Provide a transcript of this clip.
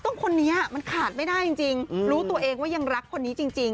คนนี้มันขาดไม่ได้จริงรู้ตัวเองว่ายังรักคนนี้จริง